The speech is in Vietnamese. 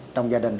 trong gia đình